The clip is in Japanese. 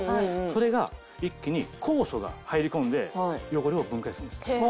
それが一気に酵素が入り込んで汚れを分解するんです。